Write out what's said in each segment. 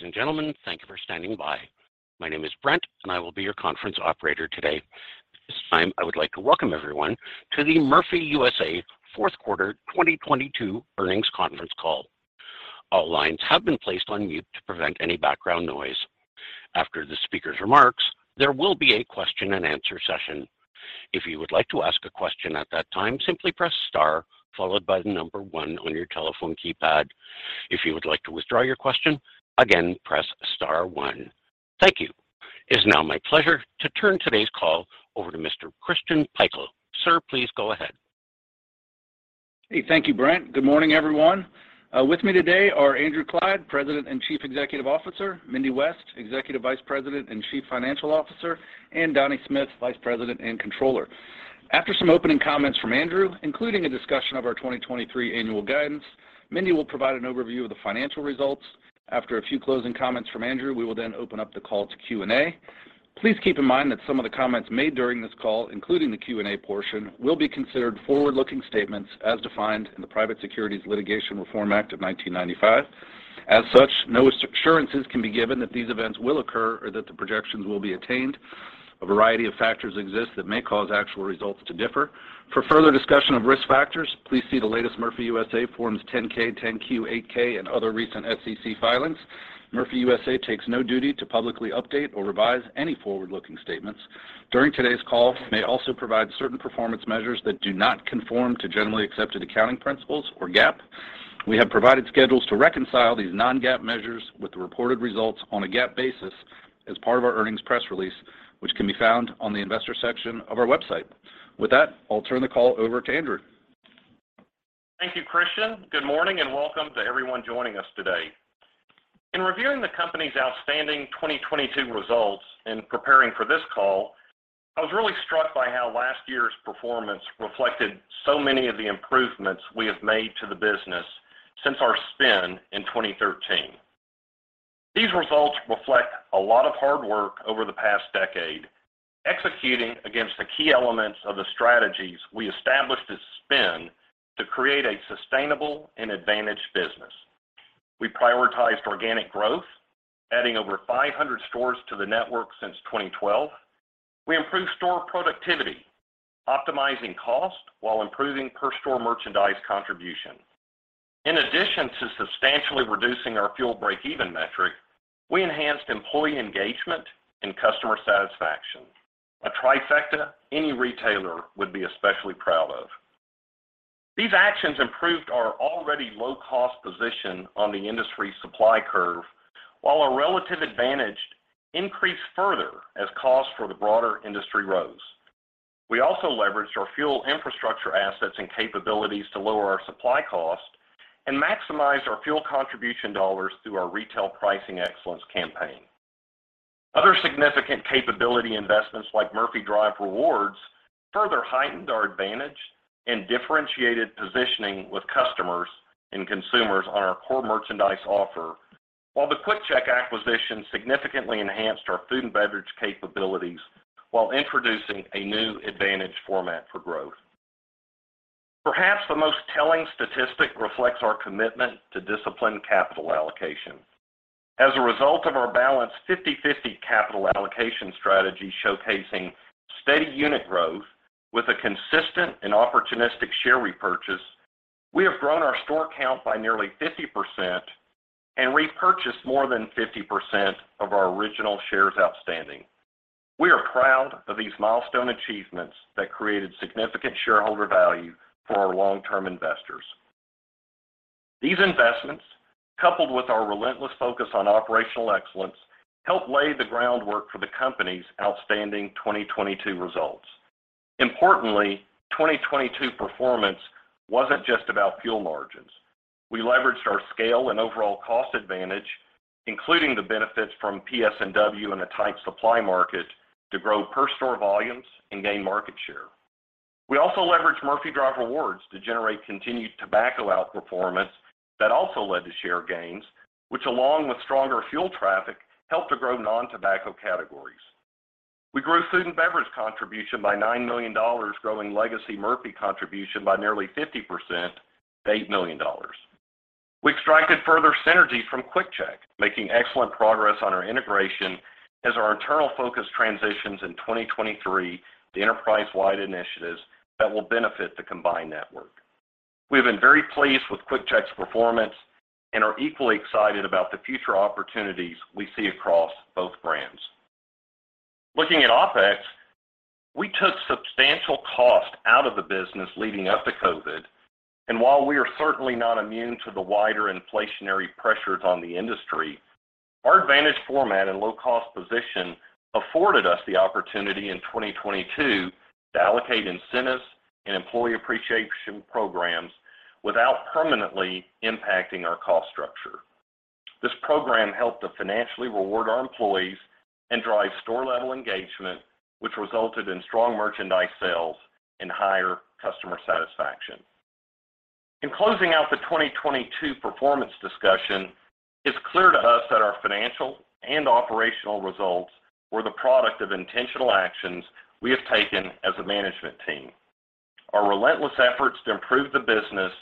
Ladies and gentlemen, thank you for standing by. My name is Brent, and I will be your conference operator today. At this time, I would like to welcome everyone to the Murphy USA Fourth Quarter 2022 Earnings Conference Call. All lines have been placed on mute to prevent any background noise. After the speaker's remarks, there will be a question-and-answer session. If you would like to ask a question at that time, simply press star followed by the number one on your telephone keypad. If you would like to withdraw your question again, press star, one. Thank you. It is now my pleasure to turn today's call over to Mr. Christian Pikul. Sir, please go ahead. Hey. Thank you, Brent. Good morning, everyone. With me today are Andrew Clyde, President and Chief Executive Officer, Mindy West, Executive Vice President and Chief Financial Officer, and Donnie Smith, Vice President and Controller. After some opening comments from Andrew, including a discussion of our 2023 annual guidance, Mindy will provide an overview of the financial results. After a few closing comments from Andrew, we will then open up the call to Q&A. Please keep in mind that some of the comments made during this call, including the Q&A portion, will be considered forward-looking statements as defined in the Private Securities Litigation Reform Act of 1995. As such, no assurances can be given that these events will occur or that the projections will be attained. A variety of factors exist that may cause actual results to differ. For further discussion of risk factors, please see the latest Murphy USA Form 10-K, Form 10-Q, Form 8-K, and other recent SEC filings. Murphy USA takes no duty to publicly update or revise any forward-looking statements. During today's call, we may also provide certain performance measures that do not conform to generally accepted accounting principles or GAAP. We have provided schedules to reconcile these non-GAAP measures with the reported results on a GAAP basis as part of our earnings press release, which can be found on the investor section of our website. With that, I'll turn the call over to Andrew. Thank you, Christian. Good morning, and welcome to everyone joining us today. In reviewing the company's outstanding 2022 results in preparing for this call, I was really struck by how last year's performance reflected so many of the improvements we have made to the business since our spin in 2013. These results reflect a lot of hard work over the past decade, executing against the key elements of the strategies we established as spin to create a sustainable and advantaged business. We prioritized organic growth, adding over 500 stores to the network since 2012. We improved store productivity, optimizing cost while improving per store merchandise contribution. In addition to substantially reducing our fuel break-even metric, we enhanced employee engagement and customer satisfaction, a Trifecta any retailer would be especially proud of. These actions improved our already low-cost position on the industry supply curve, while our relative advantage increased further as costs for the broader industry rose. We also leveraged our fuel infrastructure assets and capabilities to lower our supply cost, and maximize our fuel contribution dollars through our retail pricing excellence campaign. Other significant capability investments like Murphy Drive Rewards further heightened our advantage, and differentiated positioning with customers and consumers on our core merchandise offer, while the QuickChek acquisition significantly enhanced our food and beverage capabilities while introducing a new advantage format for growth. Perhaps the most telling statistic reflects our commitment to disciplined capital allocation. As a result of our balanced 50/50 capital allocation strategy, showcasing steady unit growth with a consistent, and opportunistic share repurchase, we have grown our store count by nearly 50% and repurchased more than 50% of our original shares outstanding. We are proud of these milestone achievements that created significant shareholder value for our long-term investors. These investments, coupled with our relentless focus on operational excellence, helped lay the groundwork for the company's outstanding 2022 results. Importantly, 2022 performance wasn't just about fuel margins. We leveraged our scale and overall cost advantage, including the benefits from PS&W in a tight supply market, to grow per-store volumes and gain market share. We also leveraged Murphy Drive Rewards to generate continued tobacco outperformance that also led to share gains, which along with stronger fuel traffic, helped to grow non-tobacco categories. We grew food and beverage contribution by $9 million, growing legacy Murphy contribution by nearly 50% to $8 million. We've extracted further synergies from QuickChek, making excellent progress on our integration as our internal focus transitions in 2023, to enterprise-wide initiatives that will benefit the combined network. We've been very pleased with QuickChek's performance, and are equally excited about the future opportunities we see across both brands. Looking at OpEx, we took substantial cost out of the business leading up to COVID. While we are certainly not immune to the wider inflationary pressures on the industry, our advantage format and low-cost position afforded us the opportunity in 2022 to allocate incentives, and employee appreciation programs without permanently impacting our cost structure. This program helped to financially reward our employees and drive store-level engagement, which resulted in strong merchandise sales and higher customer satisfaction. In closing out the 2022 performance discussion, it's clear to us that our financial and operational results were the product of intentional actions we have taken as a management team. Our relentless efforts to improve the business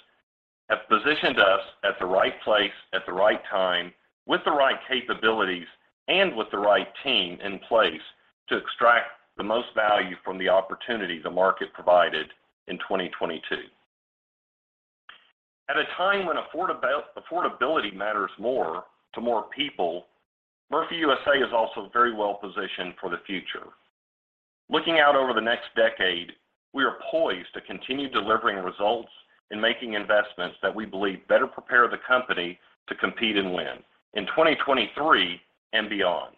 have positioned us at the right place at the right time, with the right capabilities, and with the right team in place to extract the most value from the opportunity the market provided in 2022. At a time when affordability matters more to more people, Murphy USA is also very well positioned for the future. Looking out over the next decade, we are poised to continue delivering results and making investments that we believe better prepare the company to compete and win in 2023 and beyond.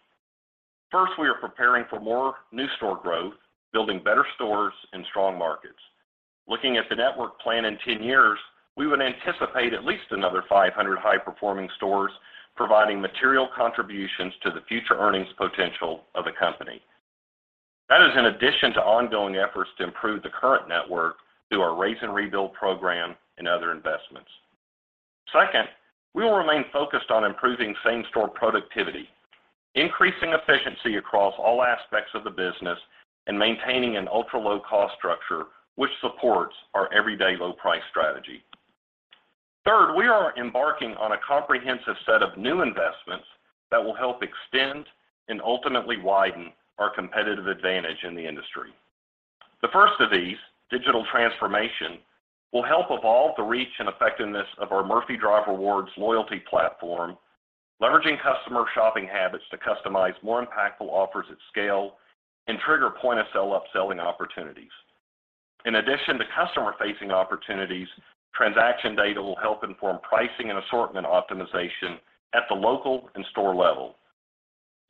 First, we are preparing for more new store growth, building better stores in strong markets. Looking at the network plan in 10 years, we would anticipate at least another 500 high-performing stores providing material contributions to the future earnings potential of the company. That is in addition to ongoing efforts to improve the current network through our raise, and rebuild program and other investments. Second, we will remain focused on improving same-store productivity, increasing efficiency across all aspects of the business, and maintaining an ultra-low cost structure, which supports our everyday low price strategy. We are embarking on a comprehensive set of new investments that will help extend, and ultimately widen our competitive advantage in the industry. The first of these, digital transformation will help evolve the reach and effectiveness of our Murphy Drive Rewards loyalty platform, leveraging customer shopping habits to customize more impactful offers at scale and trigger point-of-sale upselling opportunities. In addition to customer-facing opportunities, transaction data will help inform pricing and assortment optimization at the local and store level.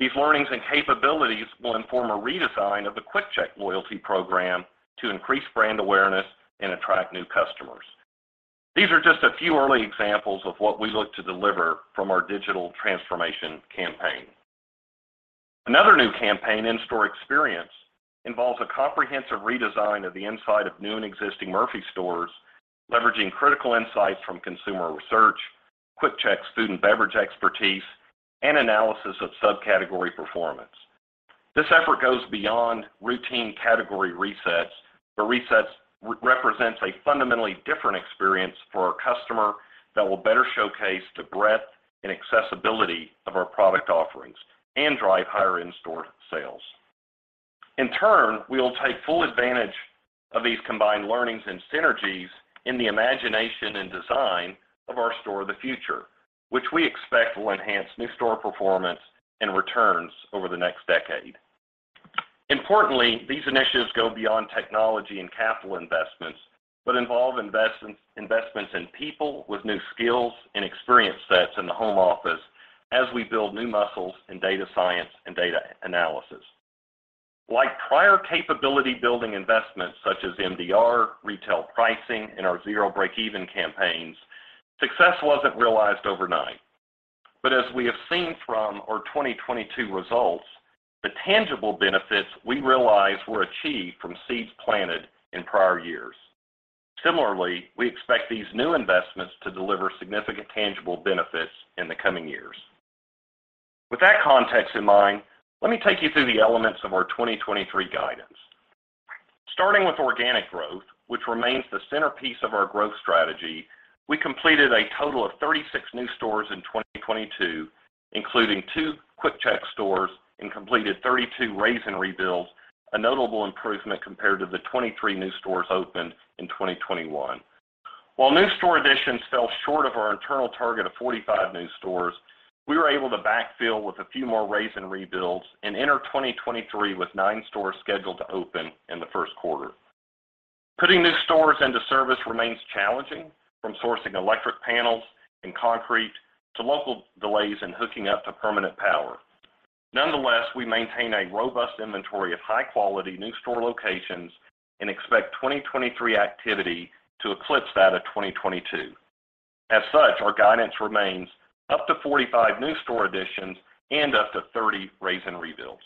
These learnings and capabilities will inform a redesign of the QuickChek loyalty program, to increase brand awareness and attract new customers. These are just a few early examples of what we look to deliver from our digital transformation campaign. Another new campaign, in-store experience, involves a comprehensive redesign of the inside of new and existing Murphy stores, leveraging critical insights from consumer research, QuickChek's food and beverage expertise, and analysis of subcategory performance. This effort goes beyond routine category resets, where resets represents a fundamentally different experience for our customer, that will better showcase the breadth and accessibility of our product offerings and drive higher in-store sales. In turn, we will take full advantage of these combined learnings, and synergies in the imagination and design of our store of the future, which we expect will enhance new store performance and returns over the next decade. Importantly, these initiatives go beyond technology and capital investments, but involve investments in people with new skills, and experience sets in the home office as we build new muscles in data science and data analysis. Like prior capability building investments such as MDR, retail pricing, and our zero breakeven campaigns, success wasn't realized overnight. As we have seen from our 2022 results, the tangible benefits we realized were achieved from seeds planted in prior years. Similarly, we expect these new investments to deliver significant tangible benefits in the coming years. With that context in mind, let me take you through the elements of our 2023 guidance. Starting with organic growth, which remains the centerpiece of our growth strategy, we completed a total of 36 new stores in 2022, including two QuickChek stores, and completed 32 raise and rebuilds, a notable improvement compared to the 23 new stores opened in 2021. While new store additions fell short of our internal target of 45 new stores, we were able to backfill with a few more raise and rebuilds, and enter 2023 with nine stores scheduled to open in the first quarter. Putting new stores into service remains challenging, from sourcing electric panels and concrete to local delays in hooking up to permanent power. Nonetheless, we maintain a robust inventory of high-quality new store locations, and expect 2023 activity to eclipse that of 2022. As such, our guidance remains up to 45 new store additions, and up to 30 raise and rebuilds.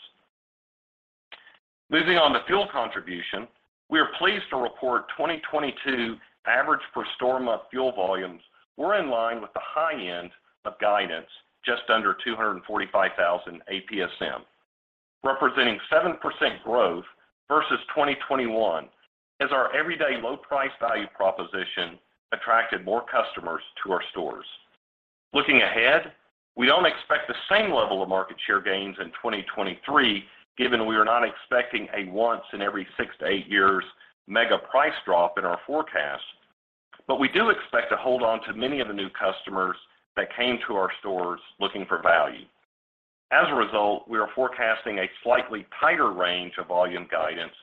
Moving on to fuel contribution, we are pleased to report 2022 average per store month fuel volumes were in line with the high end of guidance, just under 245,000 APSM, representing 7% growth versus 2021, as our everyday low price value proposition attracted more customers to our stores. Looking ahead, we don't expect the same level of market share gains in 2023, given we are not expecting a once in every six to eight years mega price drop in our forecast. We do expect to hold on to many of the new customers that came to our stores looking for value. As a result, we are forecasting a slightly tighter range of volume guidance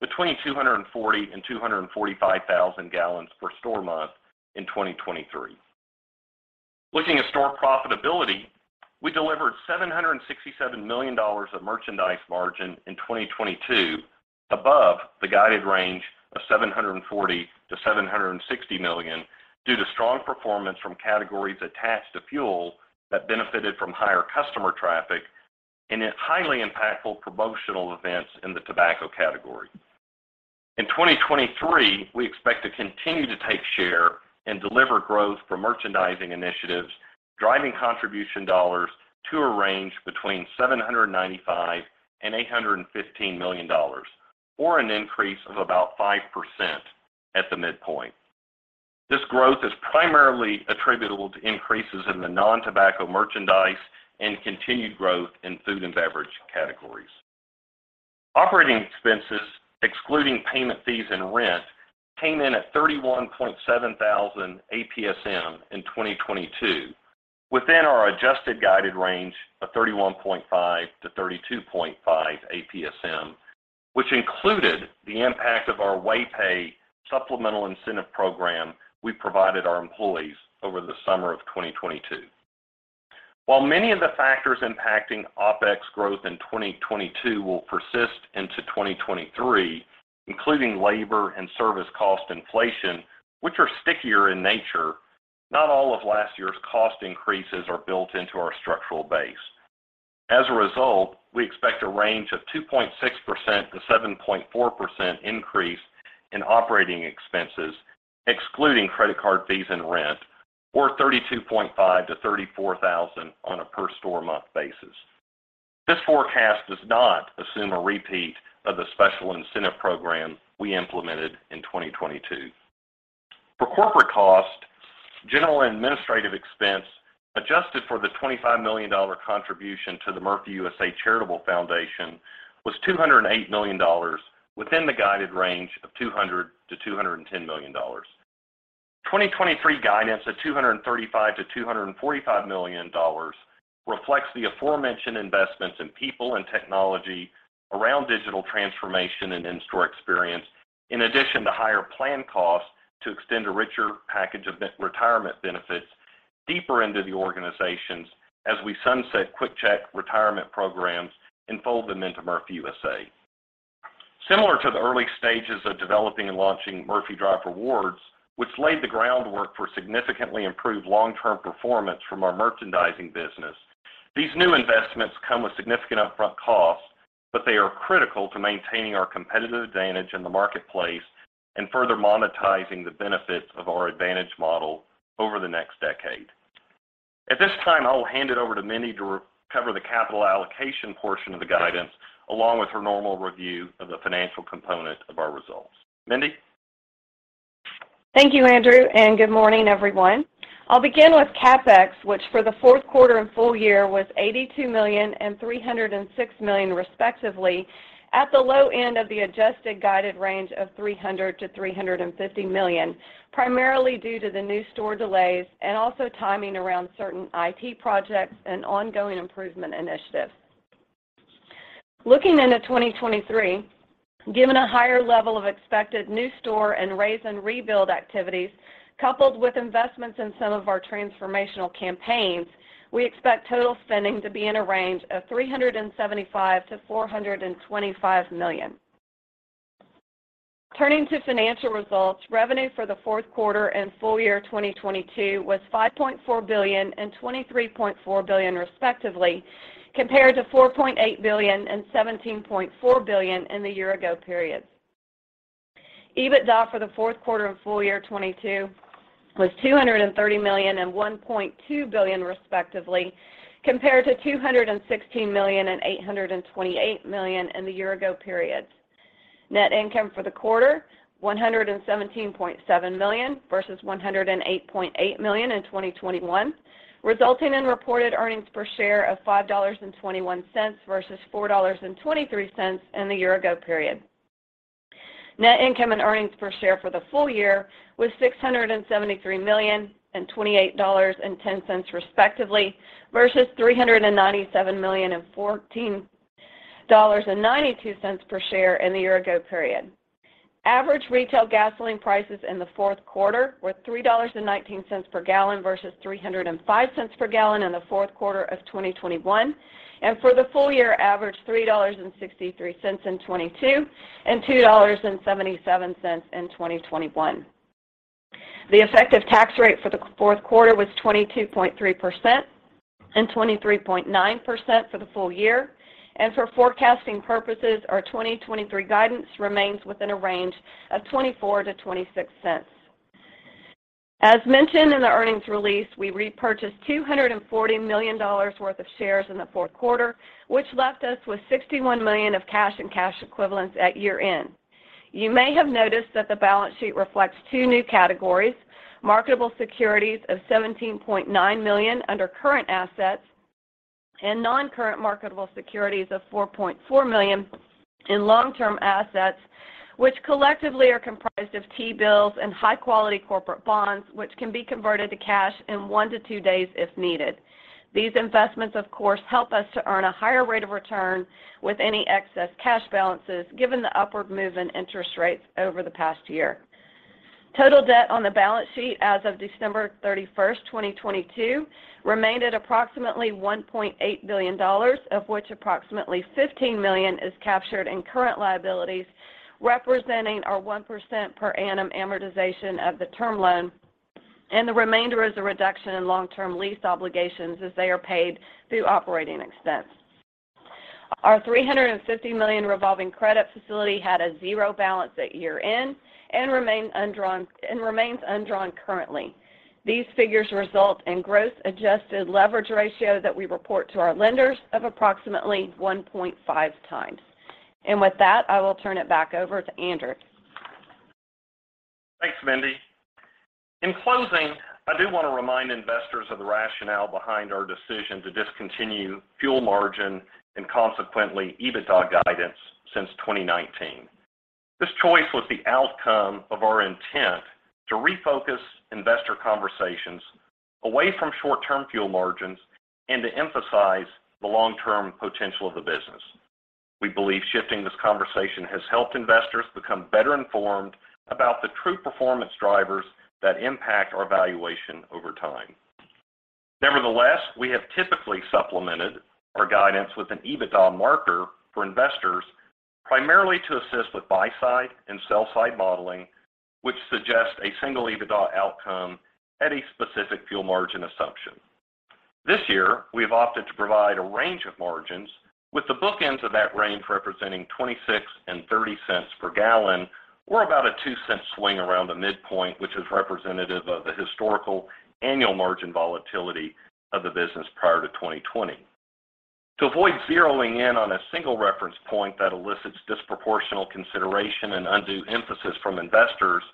between 240 and 245,000 gallons per store month in 2023. Looking at store profitability, we delivered $767 million of merchandise margin in 2022, above the guided range of $740 million-$760 million due to strong performance from categories attached to fuel that benefited from higher customer traffic, and in highly impactful promotional events in the tobacco category. In 2023, we expect to continue to take share, and deliver growth for merchandising initiatives, driving contribution dollars to a range between $795 million and $815 million, or an increase of about 5% at the midpoint. This growth is primarily attributable to increases in the non-tobacco merchandise, and continued growth in food and beverage categories. Operating expenses, excluding payment fees and rent, came in at 31, 700 APSM in 2022, within our adjusted guided range of 31.5-32.5 APSM, which included the impact of our WayPay supplemental incentive program we provided our employees over the summer of 2022. Many of the factors impacting OpEx growth in 2022 will persist into 2023, including labor and service cost inflation, which are stickier in nature, not all of last year's cost increases are built into our structural base. As a result, we expect a range of 2.6%-7.4% increase in operating expenses, excluding credit card fees and rent, or 32.5-34,000 on a per-store-month basis. This forecast does not assume a repeat of the special incentive program we implemented in 2022. For corporate cost, general and administrative expense, adjusted for the $25 million contribution to the Murphy USA Charitable Foundation, was $208 million within the guided range of $200 million-$210 million. 2023 guidance of $235 million-$245 million reflects the aforementioned investments in people, and technology around digital transformation and in-store experience, in addition to higher plan costs to extend a richer package of retirement benefits deeper into the organizations, as we sunset QuickChek retirement programs and fold them into Murphy USA. Similar to the early stages of developing and launching Murphy Drive Rewards, which laid the groundwork for significantly improved long-term performance from our merchandising business, these new investments come with significant upfront costs, but they are critical to maintaining our competitive advantage in the marketplace and further monetizing the benefits of our advantage model over the next decade. At this time, I will hand it over to Mindy to cover the capital allocation portion of the guidance, along with her normal review of the financial component of our results. Mindy? Thank you, Andrew. Good morning, everyone. I'll begin with CapEx, which for the fourth quarter and full year was $82 million and $306 million respectively at the low end of the adjusted guided range of $300 million-$350 million, primarily due to the new store delays and also timing around certain IT projects, and ongoing improvement initiatives. Looking into 2023, given a higher level of expected new store and raise and rebuild activities, coupled with investments in some of our transformational campaigns, we expect total spending to be in a range of $375 million-$425 million. Turning to financial results, revenue for the fourth quarter and full year 2022 was $5.4 billion and $23.4 billion respectively, compared to $4.8 billion and $17.4 billion in the year ago periods. EBITDA for the fourth quarter and full year 2022 was $230 million and $1.2 billion respectively, compared to $216 million and $828 million in the year ago periods. Net income for the quarter, $117.7 million versus $108.8 million in 2021, resulting in reported earnings per share of $5.21 versus $4.23 in the year ago period. Net income and earnings per share for the full year was $673 million, and $28.10 respectively versus $397 million and $14.92 per share in the year ago period. Average retail gasoline prices in the fourth quarter were $3.19 per gallon versus $3.05 per gallon in the fourth quarter of 2021, and for the full year average, $3.63 in 2022 and $2.77 in 2021. The effective tax rate for the fourth quarter was 22.3% and 23.9% for the full year. For forecasting purposes, our 2023 guidance remains within a range of $0.24-$0.26. As mentioned in the earnings release, we repurchased $240 million worth of shares in the fourth quarter, which left us with $61 million of cash and cash equivalents at year-end. You may have noticed that the balance sheet reflects two new categories, marketable securities of $17.9 million under current assets and non-current marketable securities of $4.4 million in long-term assets, which collectively are comprised of T-bills and high-quality corporate bonds, which can be converted to cash in one to two days if needed. These investments of course help us to earn a higher rate of return with any excess cash balances, given the upward move in interest rates over the past year. Total debt on the balance sheet as of December 31st, 2022 remained at approximately $1.8 billion, of which approximately $15 million is captured in current liabilities, representing our 1% per annum amortization of the term loan, and the remainder is a reduction in long-term lease obligations as they are paid through operating expense. Our $350 million revolving credit facility had a zero balance at year-end, and remains undrawn currently. These figures result in gross adjusted leverage ratio that we report to our lenders, of approximately 1.5x. With that, I will turn it back over to Andrew. Thanks, Mindy. In closing, I do want to remind investors of the rationale behind our decision to discontinue fuel margin and consequently, EBITDA guidance since 2019. This choice was the outcome of our intent to refocus investor conversations away from short-term fuel margins, and to emphasize the long-term potential of the business. We believe shifting this conversation has helped investors become better informed, about the true performance drivers that impact our valuation over time. Nevertheless, we have typically supplemented our guidance with an EBITDA marker for investors, primarily to assist with buy-side and sell-side modeling, which suggests a single EBITDA outcome at a specific fuel margin assumption. This year, we have opted to provide a range of margins, with the bookends of that range representing 26 and 30 cents per gallon, or about a 2-cent swing around the midpoint, which is representative of the historical annual margin volatility of the business prior to 2020. To avoid zeroing in on a single reference point that elicits disproportional consideration, and undue emphasis from investors,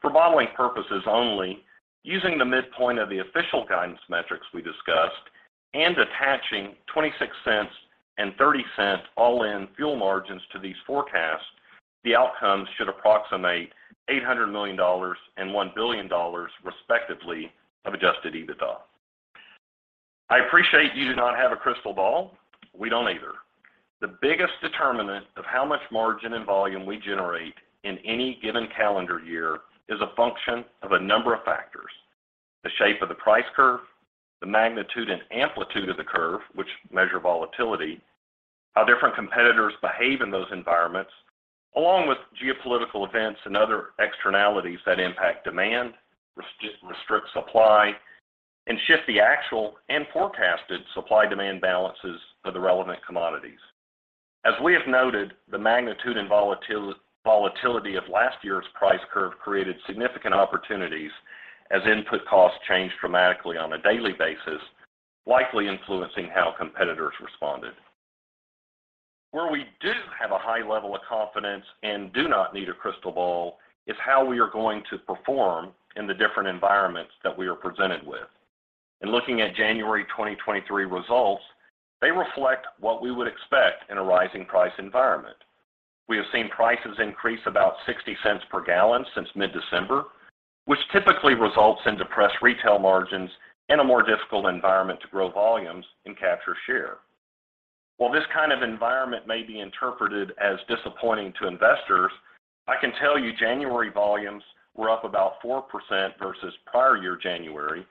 for modeling purposes only, using the midpoint of the official guidance metrics we discussed and attaching 26 cents and 30 cents all-in fuel margins to these forecasts, the outcomes should approximate $800 million and $1 billion, respectively, of adjusted EBITDA. I appreciate you do not have a crystal ball. We don't either. The biggest determinant of how much margin, and volume we generate in any given calendar year is a function of a number of factors, the shape of the price curve, the magnitude and amplitude of the curve, which measure volatility, how different competitors behave in those environments, along with geopolitical events and other externalities that impact demand, restrict supply, and shift the actual and forecasted supply-demand balances of the relevant commodities. As we have noted, the magnitude and volatility of last year's price curve created significant opportunities as input costs changed dramatically on a daily basis, likely influencing how competitors responded. Where we do have a high level of confidence and do not need a crystal ball, is how we are going to perform in the different environments that we are presented with. In looking at January 2023 results, they reflect what we would expect in a rising price environment. We have seen prices increase about $0.60 per gallon since mid-December, which typically results in depressed retail margins and a more difficult environment to grow volumes, and capture share. While this kind of environment may be interpreted as disappointing to investors, I can tell you January volumes were up about 4% versus prior year January,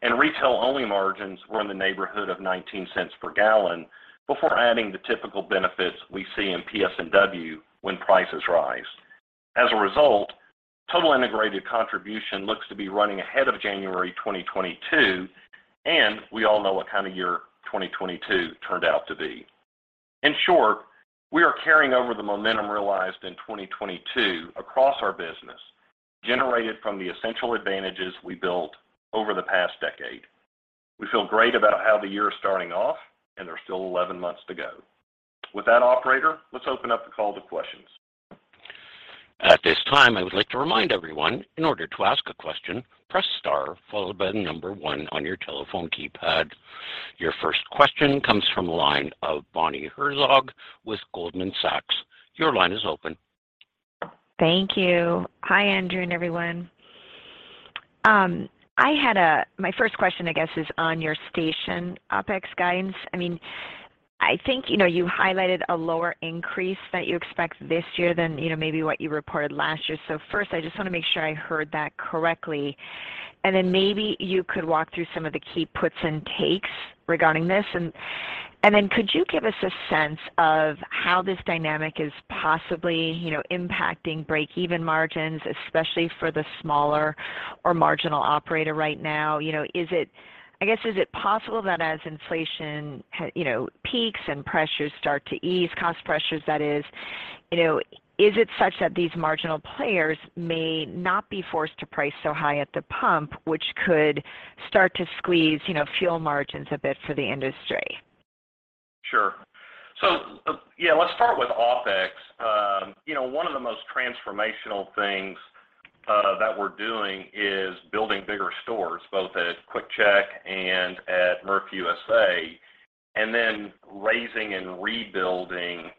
and retail-only margins were in the neighborhood of $0.19 per gallon, before adding the typical benefits we see in PS&W when prices rise. As a result, total integrated contribution looks to be running ahead of January 2022, and we all know what kind of year 2022 turned out to be. In short, we are carrying over the momentum realized in 2022 across our business, generated from the essential advantages we built over the past decade. We feel great about how the year is starting off, and there's still 11 months to go. With that, operator, let's open up the call to questions. At this time, I would like to remind everyone, in order to ask a question, press star followed by the number one on your telephone keypad. Your first question comes from the line of Bonnie Herzog with Goldman Sachs. Your line is open. Thank you. Hi, Andrew and everyone. My first question, I guess, is on your station OpEx guidance. I mean, I think, you know, you highlighted a lower increase that you expect this year than, you know, maybe what you reported last year. First, I just want to make sure I heard that correctly. Then maybe you could walk through some of the key puts and takes regarding this. Then could you give us a sense of how this dynamic is possibly, you know, impacting break-even margins, especially for the smaller or marginal operator right now? You know, I guess, is it possible that as inflation, you know, peaks and pressures start to ease, cost pressures that is, you know, is it such that these marginal players may not be forced to price so high at the pump, which could start to squeeze, you know, fuel margins a bit for the industry? Sure. Let's start with OpEx. You know, one of the most transformational things that we're doing is building bigger stores, both at QuickChek and at Murphy USA, and then raising and rebuilding,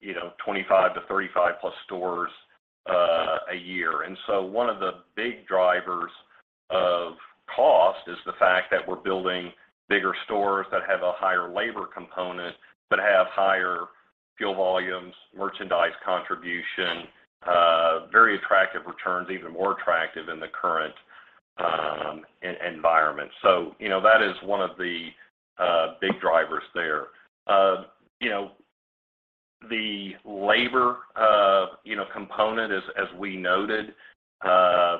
you know, 25-35+ stores a year. One of the big drivers of cost is the fact that we're building bigger stores that have a higher labor component, but have higher fuel volumes, merchandise contribution, very attractive returns, even more attractive in the current environment. You know, that is one of the big drivers there. You know, the labor, you know, component as we noted,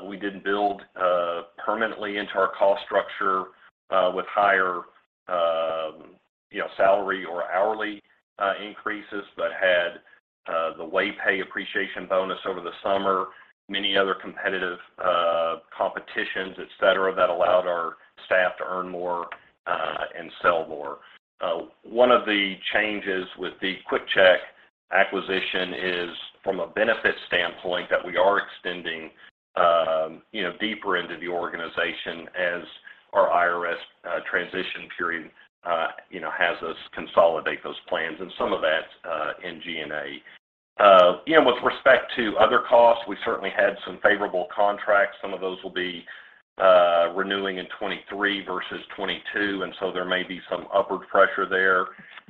we didn't build permanently into our cost structure, with higher, you know, salary or hourly increases, but had the WayPay appreciation bonus over the summer, many other competitive competitions, etc, that allowed our staff to earn more and sell more. One of the changes with the QuickChek acquisition is from a benefit standpoint, that we are extending, you know, deeper into the organization as our IRS transition period, you know, has us consolidate those plans and some of that in G&A. You know, with respect to other costs, we certainly had some favorable contracts. Some of those will be renewing in 2023 versus 2022, and so there may be some upward pressure there.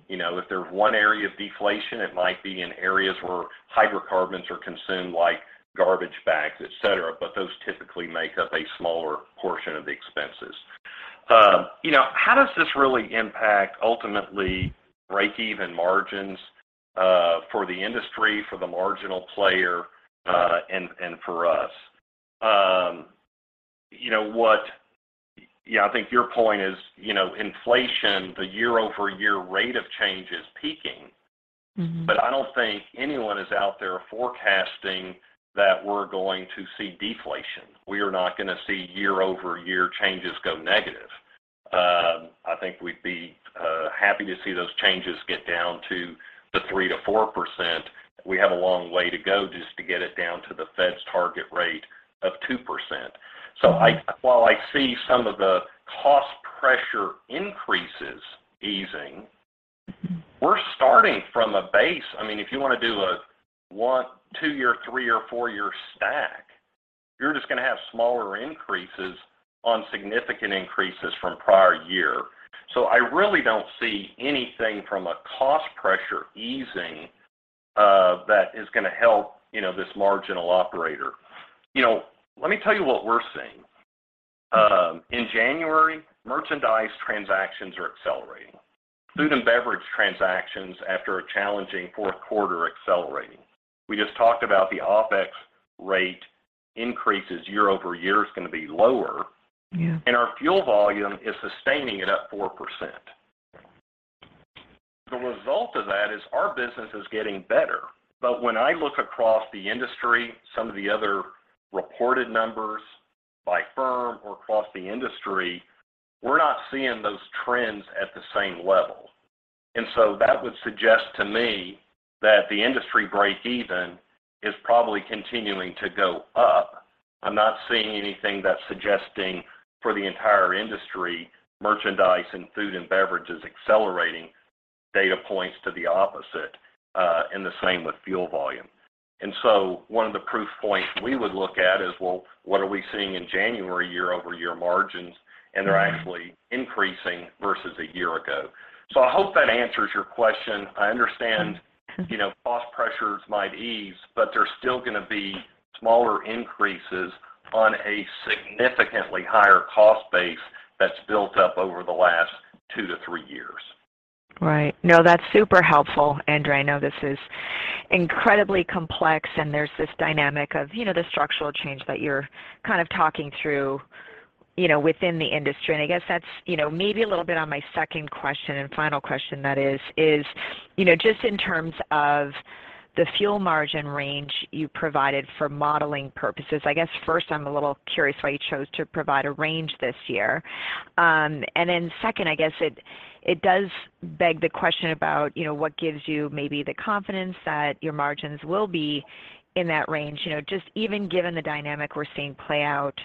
You know, if there's one area of deflation, it might be in areas where hydrocarbons are consumed, like garbage bags, etc, but those typically make up a smaller portion of the expenses. You know, how does this really impact ultimately break-even margins for the industry, for the marginal player and for us? You know, yeah, I think your point is, you know, inflation, the year-over-year rate of change is peaking. I don't think anyone is out there forecasting that we're going to see deflation. We are not going to see year-over-year changes go negative. I think we'd be happy to see those changes get down to the 3%-4%. We have a long way to go just to get it down to the Fed's target rate of 2%. While I see some of the cost pressure increases easing, we're starting from a base. I mean, if you want to do a one, two-year, three or four-year stack, you're just going to have smaller increases on significant increases from prior year. I really don't see anything from a cost pressure easing that is going to help, you know, this marginal operator. You know, let me tell you what we're seeing. In January, merchandise transactions are accelerating. Food and beverage transactions after a challenging fourth quarter accelerating. We just talked about the OpEx rate increases year-over-year is going to be lower. Yeah. Our fuel volume is sustaining it at 4%. The result of that is our business is getting better. When I look across the industry, some of the other reported numbers by firm or across the industry, we're not seeing those trends at the same level. That would suggest to me that the industry break-even is probably continuing to go up. I'm not seeing anything that's suggesting for the entire industry, merchandise and food, and beverages accelerating data points to the opposite, and the same with fuel volume. One of the proof points we would look at is, well, what are we seeing in January year-over-year margins? They're actually increasing versus a year ago. I hope that answers your question. I understand, you know, cost pressures might ease, but there's still going to be smaller increases on a significantly higher cost base that's built up over the last two to three years. Right. No, that's super helpful, Andrew. I know this is incredibly complex. There's this dynamic of, you know, the structural change that you're kind of talking through, you know, within the industry. I guess that's, you know, maybe a little bit on my second question and final question, that is, you know, just in terms of the fuel margin range you provided for modeling purposes. I guess first, I'm a little curious why you chose to provide a range this year. Then second, I guess it does beg the question about, you know, what gives you maybe the confidence that your margins will be in that range? You know, just even given the dynamic we're seeing play out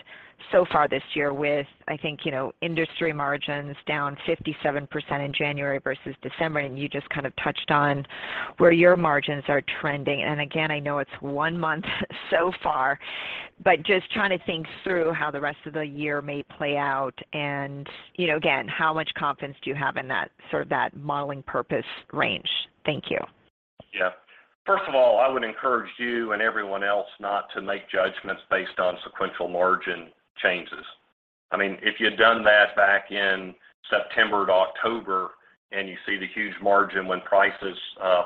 so far this year with, I think, you know, industry margins down 57% in January versus December. You just kind of touched on where your margins are trending. Again, I know it's one month so far, but just trying to think through how the rest of the year may play out. You know, again, how much confidence do you have in sort of that modeling purpose range? Thank you. Yeah. First of all, I would encourage you and everyone else not to make judgments based on sequential margin changes. I mean, if you'd done that back in September to October, and you see the huge margin when prices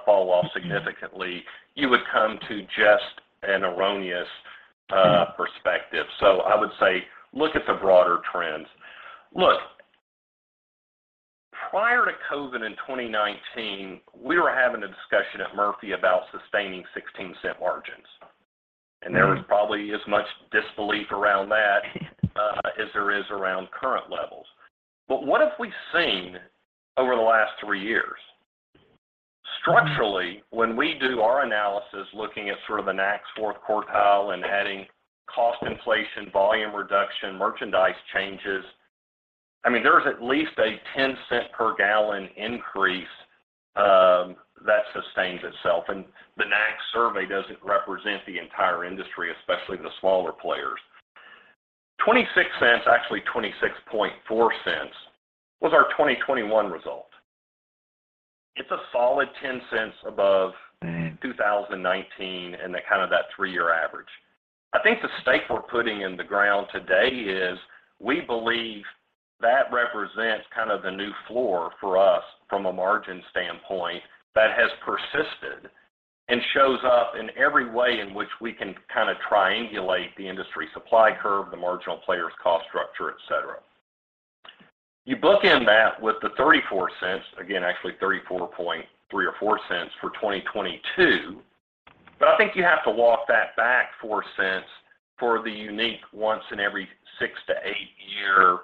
fall off significantly, you would come to just an erroneous perspective. I would say look at the broader trends. Look, prior to COVID in 2019, we were having a discussion at Murphy about sustaining 16 cent margins. There was probably as much disbelief around that, as there is around current levels. What have we seen over the last three years? Structurally, when we do our analysis, looking at sort of the NACS fourth quartile and adding cost inflation, volume reduction, merchandise changes, I mean, there's at least a 10 cent per gallon increase that sustains itself. The NACS survey doesn't represent the entire industry, especially the smaller players. $0.26, actually $0.264, was our 2021 result. It's a solid $0.10 above 2019 and kind of that three-year average. I think the stake we're putting in the ground today is, we believe that represents kind of the new floor for us from a margin standpoint that has persisted, and shows up in every way in which we can kind of triangulate the industry supply curve, the marginal players' cost structure, etc. You book in that with the $0.34, again actually $0.343 or $0.344 for 2022. I think you have to walk that back $0.04 for the unique once in every six to eight year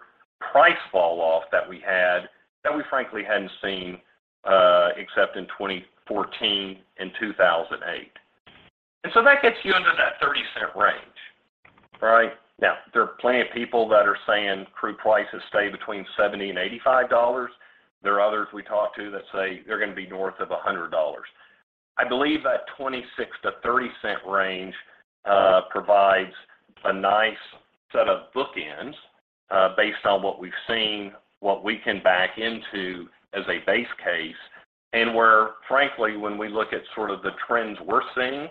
price falloff that we had that, we frankly hadn't seen, except in 2014 and 2008. That gets you under that $0.30 range, right? There are plenty of people that are saying crude prices stay between $70 and $85. There are others we talk to that say they're going to be north of $100. I believe that $0.26-$0.30 range provides a nice set of bookends based on what we've seen, what we can back into as a base case, and where frankly, when we look at sort of the trends we're seeing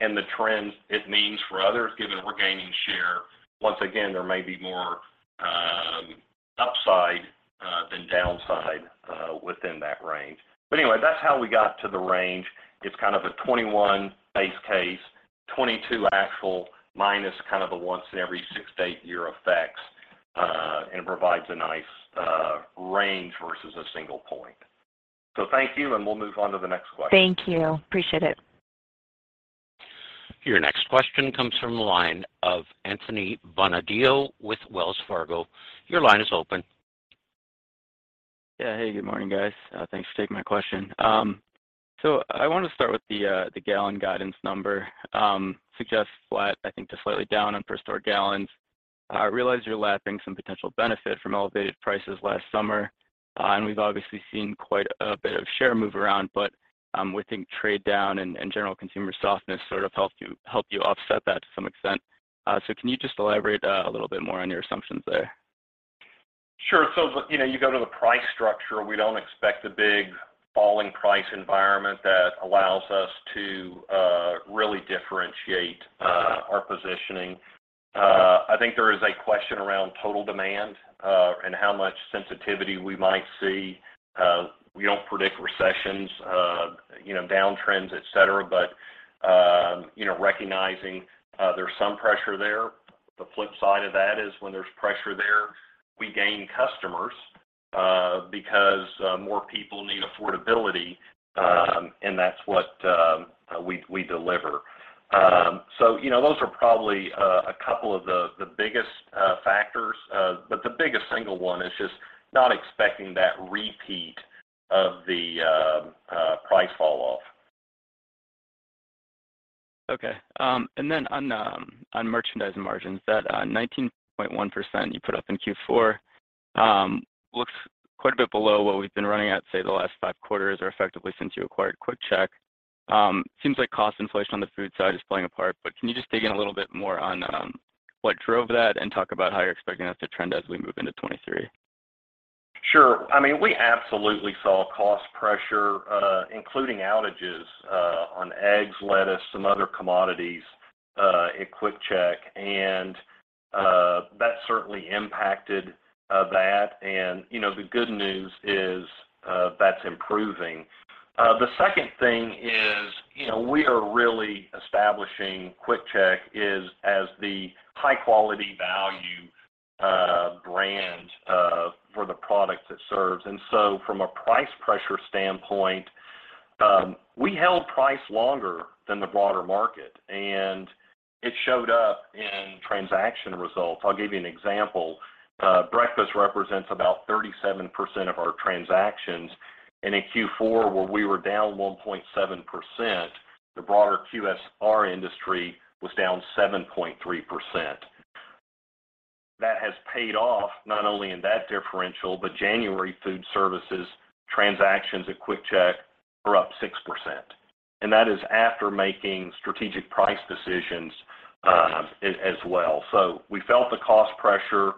and the trends it means for others, given we're gaining share, once again there may be more upside than downside within that range. Anyway, that's how we got to the range. It's kind of a 21 base case, 22 actual minus kind of a once in every six to eight year effects and provides a nice range versus a single point. Thank you, and we'll move on to the next question. Thank you. Appreciate it. Your next question comes from the line of Anthony Bonadio with Wells Fargo. Your line is open. Yeah, hey. Good morning, guys. Thanks for taking my question. I want to start with the gallon guidance number suggests flat, I think to slightly down on per store gallons. I realize you're lapping some potential benefit from elevated prices last summer, and we've obviously seen quite a bit of share move around. We think trade down and general consumer softness sort of help you offset that to some extent. Can you just elaborate a little bit more on your assumptions there? Sure. You know, you go to the price structure, we don't expect a big falling price environment that allows us to really differentiate our positioning. I think there is a question around total demand, and how much sensitivity we might see. We don't predict recessions, you know, downtrends, etc. You know, recognizing there's some pressure there. The flip side of that is, when there's pressure there, we gain customers because more people need affordability, and that's what we deliver. You know, those are probably a couple of the biggest factors. The biggest single one is just not expecting that repeat of the price fall off. Okay. Then on merchandise and margins, that 19.1% you put up in Q4, looks quite a bit below what we've been running at, say the last five quarters or effectively since you acquired QuickChek. Seems like cost inflation on the food side is playing a part. Can you just dig in a little bit more on what drove that, and talk about how you're expecting that to trend as we move into 2023? Sure. I mean, we absolutely saw cost pressure, including outages on eggs, lettuce, some other commodities at QuickChek, and that certainly impacted that. You know, the good news is, that's improving. The second thing is, you know, we are really establishing, QuickChek is the high quality value brand for the product it serves. From a price pressure standpoint, we held price longer than the broader market, and it showed up in transaction results. I'll give you an example. Breakfast represents about 37% of our transactions. In Q4, where we were down 1.7%, the broader QSR industry was down 7.3%. That has paid off not only in that differential, but January food services transactions at QuickChek were up 6%, and that is after making strategic price decisions as well. We felt the cost pressure.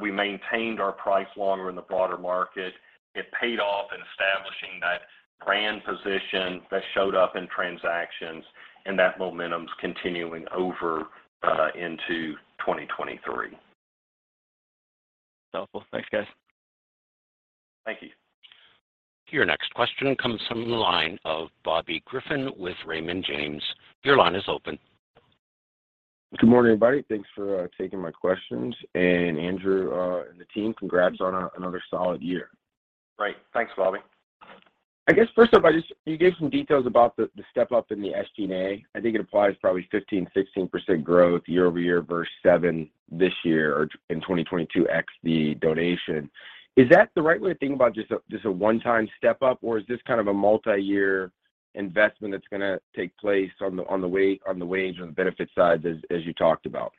We maintained our price longer in the broader market. It paid off in establishing that brand position that showed up in transactions, and that momentum's continuing over into 2023. Helpful. Thanks, guys. Thank you. Your next question comes from the line of Bobby Griffin with Raymond James. Your line is open. Good morning, everybody. Thanks for taking my questions. Andrew and the team, congrats on another solid year. Great. Thanks, Bobby. I guess first off, just, you gave some details about the step-up in the SG&A. I think it applies probably 15%-16% growth year-over-year versus 7% this year or in 2022 ex, the donation. Is that the right way to think about just a one-time step-up, or is this kind of a multiyear investment that's going to take place on the wage, on the benefits side as you talked about?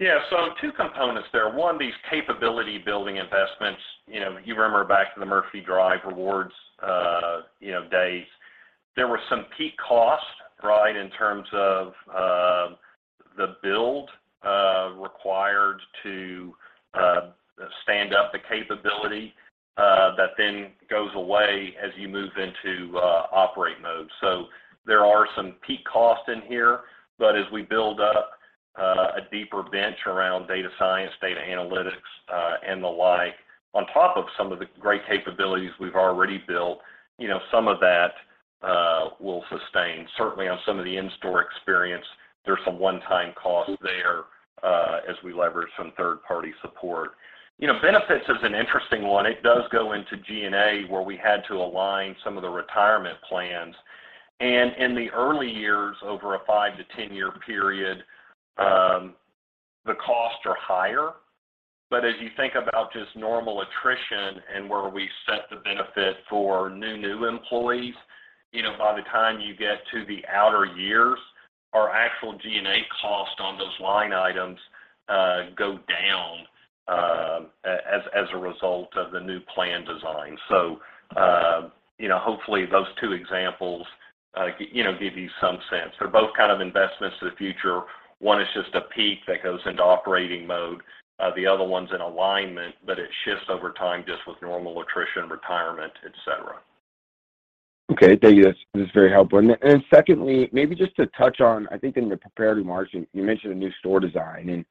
Yeah, so two components there. One, these capability building investments. You know, you remember back in the Murphy Drive Rewards, you know, days, there were some peak costs, right, in terms of the build required to stand up the capability that then goes away as you move into operate mode. There are some peak costs in here, but as we build up a deeper bench around data science, data analytics, and the like, on top of some of the great capabilities we've already built, you know, some of that will sustain. Certainly, on some of the in-store experience, there's some one-time costs there, as we leverage some third-party support. You know, benefits is an interesting one. It does go into G&A, where we had to align some of the retirement plans. In the early years, over a five to 10-year period, the costs are higher. As you think about just normal attrition and where we set the benefit for new employees, you know, by the time you get to the outer years, our actual G&A cost on those line items go down as a result of the new plan design. You know, hopefully those two examples, you know, give you some sense. They're both kind of investments to the future. One is just a peak that goes into operating mode. The other one's an alignment, but it shifts over time just with normal attrition, retirement, etc. Okay. Thank you. That's very helpful. Secondly, maybe just to touch on, I think in the prepared remarks, you mentioned a new store design.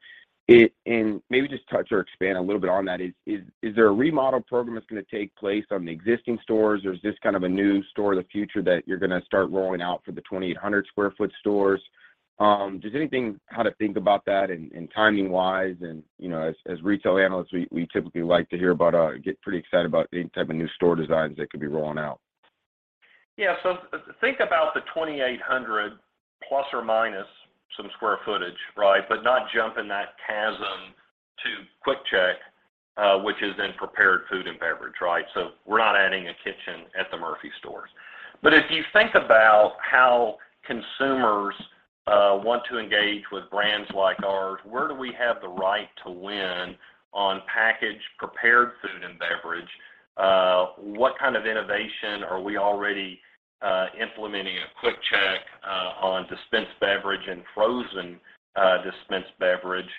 Maybe just touch or expand a little bit on that. Is there a remodel program that's going to take place on the existing stores, or is this kind of a new store of the future that you're going to start rolling out for the 2,800 sq ft stores? Just anything, how to think about that and timing wise and you know, as retail analysts, we typically like to get pretty excited about any type of new store designs that could be rolling out. Yeah. Think about the 2,800 ± some square footage, right? Not jump in that chasm to QuickChek, which is then prepared food and beverage, right? We're not adding a kitchen at the Murphy stores. If you think about how consumers want to engage with brands like ours, where do we have the right to win on packaged, prepared food and beverage? What kind of innovation are we already implementing at QuickChek on dispensed beverage, and frozen dispensed beverage?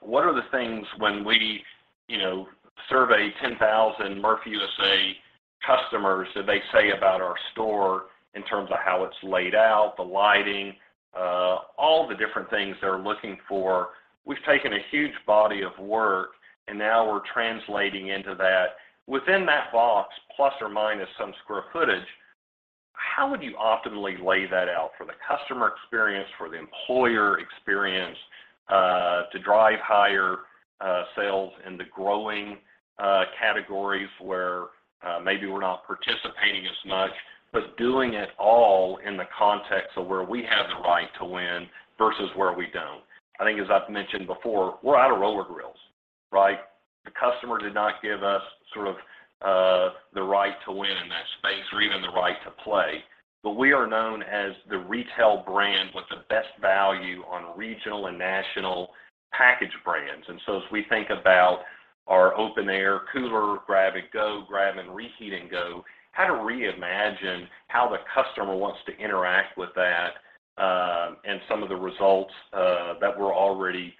What are the things when we, you know, survey 10,000 Murphy USA customers, that they say about our store in terms of how it's laid out, the lighting, all the different things they're looking for? We've taken a huge body of work, and now we're translating into that. Within that box, plus or minus some square footage, how would you optimally lay that out for the customer experience, for the employer experience, to drive higher sales in the growing categories where maybe we're not participating as much, but doing it all in the context of where we have the right to win versus where we don't? I think as I've mentioned before, we're out of roller grills, right? The customer did not give us sort of the right to win in that space or even the right to play. We are known as the retail brand with the best value on regional and national packaged brands. As we think about our open air cooler, grab and go, grab and reheat and go, how to re-imagine how the customer wants to interact with that, and some of the results that we're already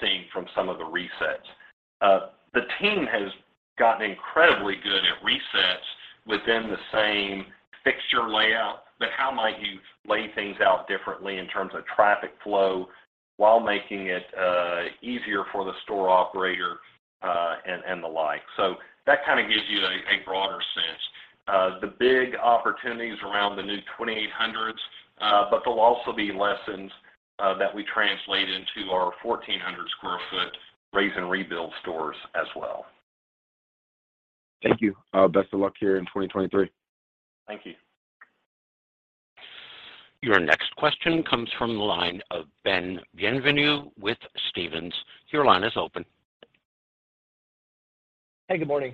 seeing from some of the resets? The team has gotten incredibly good at resets within the same fixture layout, but how might you lay things out differently in terms of traffic flow, while making it easier for the store operator and the like? That kind of gives you a broader sense. The big opportunity's around the new 2,800s, but there'll also be lessons that we translate into our 1,400 sq ft raise and rebuild stores as well. Thank you. Best of luck here in 2023. Thank you. Your next question comes from the line of Ben Bienvenu with Stephens. Your line is open. Hey, good morning.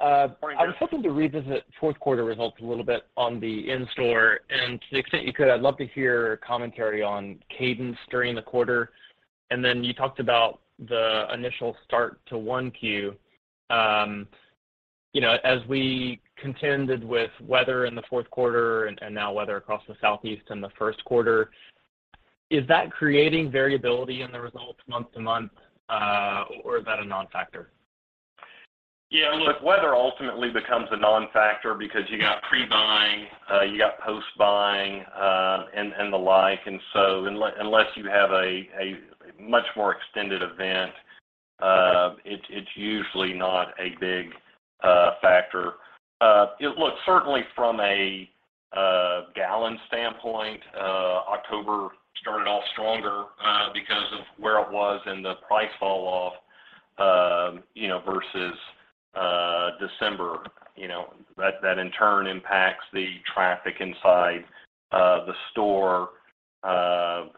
Morning, Ben. I was hoping to revisit fourth quarter results a little bit on the in-store. To the extent you could, I'd love to hear commentary on cadence during the quarter. Then you talked about the initial start to 1Q. You know, as we contended with weather in the fourth quarter and now weather across the southeast in the first quarter, is that creating variability in the results month-to-month or is that a non-factor? Yeah. Look, weather ultimately becomes a non-factor because you got pre-buying, you got post-buying, and the like. Unless you have a much more extended event, it's usually not a big factor. Look, certainly from a gallon standpoint, October started off stronger because of where it was and the price fall off, you know, versus December. You know, that in turn impacts the traffic inside the store,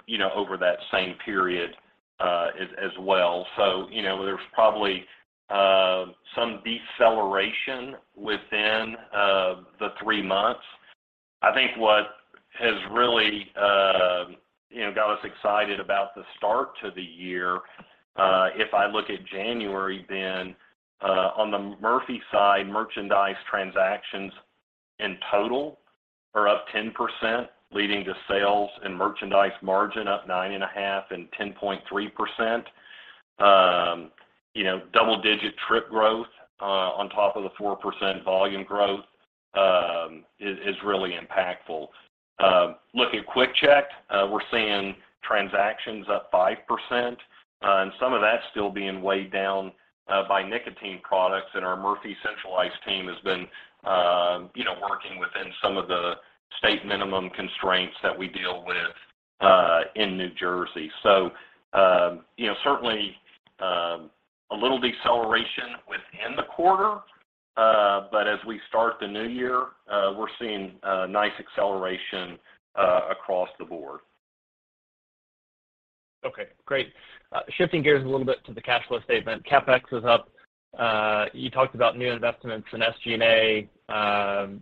you know, over that same period as well. You know, there's probably some deceleration within the three months. I think what has really, you know, got us excited about the start to the year, if I look at January then, on the Murphy side, merchandise transactions in total are up 10% leading to sales and merchandise margin up 9.5% and 10.3%. You know, double-digit trip growth on top of the 4% volume growth is really impactful. Looking at QuickChek, we're seeing transactions up 5%, and some of that's still being weighed down by nicotine products, and our Murphy centralized team has been, you know, working within some of the state minimum constraints that we deal with in New Jersey. You know, certainly, a little deceleration within the quarter, but as we start the new year, we're seeing nice acceleration across the board. Okay, great. Shifting gears a little bit to the cash flow statement. CapEx is up. You talked about new investments in SG&A.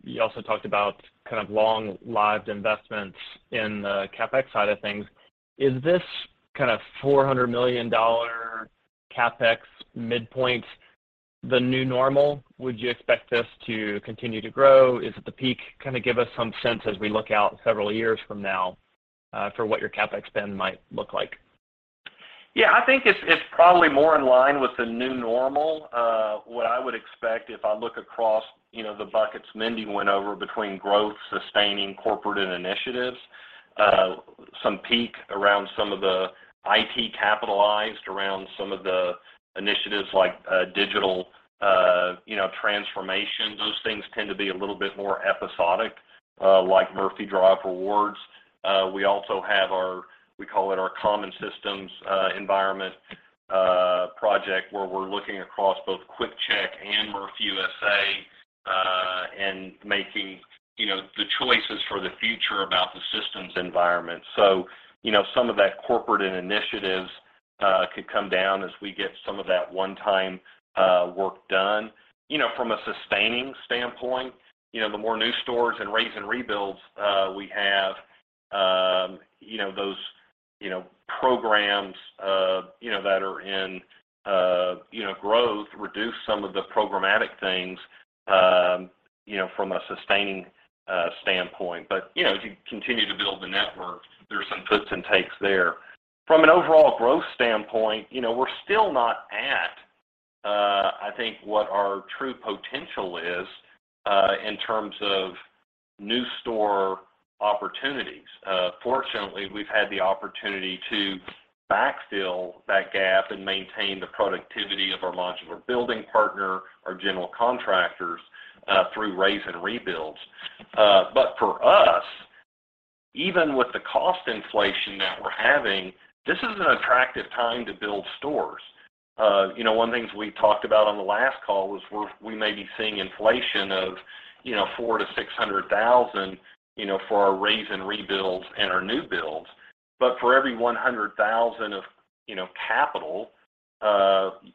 You also talked about kind of long-lived investments in the CapEx side of things. Is this kind of $400 million CapEx midpoint the new normal? Would you expect this to continue to grow? Is it the peak? Kind of give us some sense as we look out several years from now, for what your CapEx spend might look like. Yeah, I think it's probably more in line with the new normal. What I would expect if I look across, you know, the buckets Mindy went over between growth, sustaining corporate and initiatives. Some peak around some of the IT capitalized around some of the initiatives like digital, you know, transformation. Those things tend to be a little bit more episodic, like Murphy Drive Rewards. We also have our, we call it our common systems, environment, project, where we're looking across both QuickChek and Murphy USA, and making, you know, the choices for the future about the systems environment. You know, some of that corporate and initiatives, could come down as we get some of that one-time work done. You know, from a sustaining standpoint, you know, the more new stores and raze and rebuilds, we have, you know, those, you know, programs, you know, that are in, you know, growth, reduce some of the programmatic things, you know, from a sustaining standpoint. You know, as you continue to build the network, there's some puts and takes there. From an overall growth standpoint, you know, we're still not at, I think what our true potential is, in terms of new store opportunities. Fortunately, we've had the opportunity to backfill that gap and maintain the productivity of our modular building partner, our general contractors, through raze and rebuilds. For us, even with the cost inflation that we're having, this is an attractive time to build stores. You know, one thing we talked about on the last call was, we may be seeing inflation of $400,000-$600,000 for our raze and rebuilds, and our new builds. For every $100,000 of capital,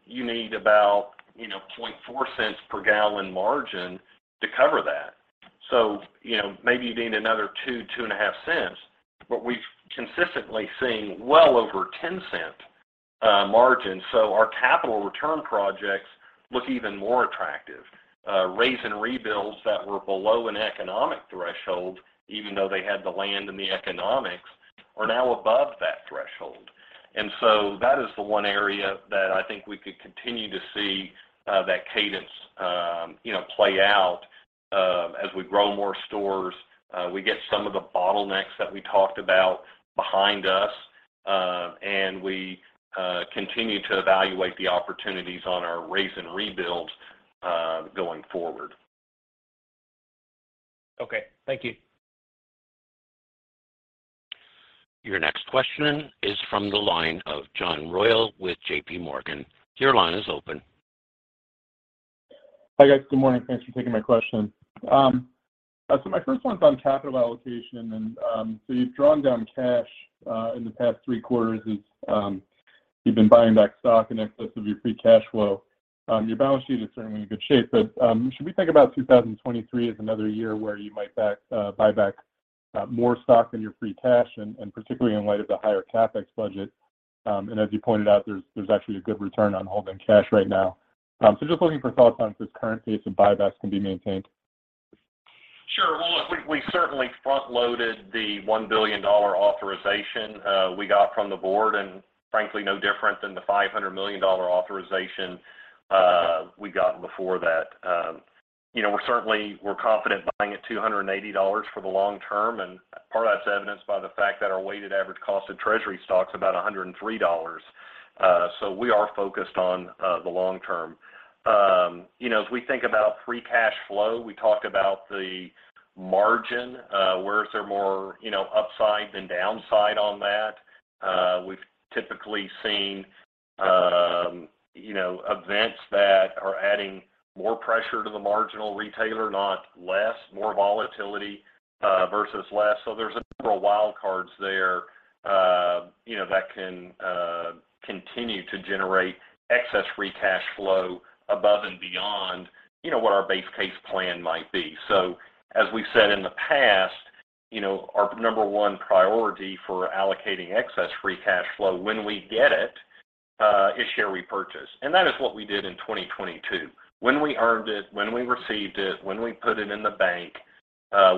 you need about $0.004 per gallon margin to cover that. Maybe you need another $0.02-$0.025, but we've consistently seen well over $0.10 margin. Our capital return projects look even more attractive. Raze and rebuilds that were below an economic threshold, even though they had the land and the economics, are now above that threshold. That is the one area that I think we could continue to see that cadence, you know, play ou. As we grow more stores, we get some of the bottlenecks that we talked about behind us, and we continue to evaluate the opportunities on our raze and rebuild, going forward. Okay, thank you. Your next question is from the line of John Royall with JPMorgan. Your line is open. Hi, guys. Good morning. Thanks for taking my question. My first one's on capital allocation. Then you've drawn down cash in the past three quarters, as you've been buying back stock in excess of your free cash flow. Your balance sheet is certainly in good shape, but should we think about 2023 as another year where you might buy back more stock than your free cash, and particularly in light of the higher CapEx budget? As you pointed out, there's actually a good return on holding cash right now. Just looking for thoughts on if this current pace of buybacks can be maintained. Sure. Well, look, we certainly front-loaded the $1 billion authorization we got from the board. Frankly, no different than the $500 million authorization we'd gotten before that. You know, we're confident buying at $280 for the long term, and part of that's evidenced by the fact that our weighted average cost of treasury stock's about $103. We are focused on the long term. You know, as we think about free cash flow, we talk about the margin, where is there more, you know, upside than downside on that? We've typically seen, you know, events that are adding more pressure to the marginal retailer, not less. More volatility versus less. There's a number of wild cards there, you know, that can continue to generate excess free cash flow above and beyond, you know, what our base case plan might be. As we've said in the past. You know, our number one priority for allocating excess free cash flow when we get it, is share repurchase. That is what we did in 2022. When we earned it, when we received it, when we put it in the bank,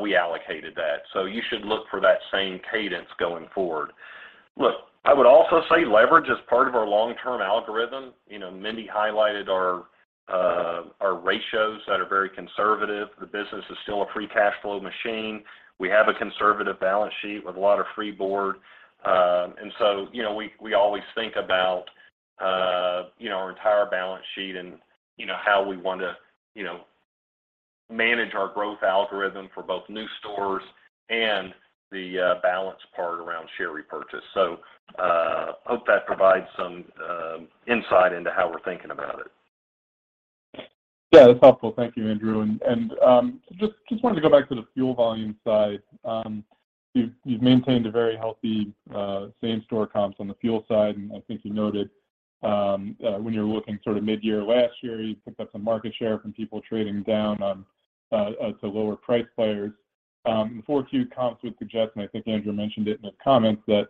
we allocated that. You should look for that same cadence going forward. Look, I would also say leverage is part of our long-term algorithm. You know, Mindy highlighted our ratios that are very conservative. The business is still a free cash flow machine. We have a conservative balance sheet with a lot of free board. You know, we always think about, you know, our entire balance sheet and you know, how we want to, you know, manage our growth algorithm for both new stores and the balance part around share repurchase. Hope that provides some insight into how we're thinking about it. Yeah, that's helpful. Thank you, Andrew. Just wanted to go back to the fuel volume side. You've maintained a very healthy same store comps on the fuel side, I think you noted when you're looking sort of mid-year last year, you picked up some market share from people trading down to lower price players. The 4.2 comps would suggest, I think Andrew mentioned it in his comments, that